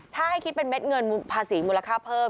ถ้าให้คิดเป็นเม็ดเงินภาษีมูลค่าเพิ่ม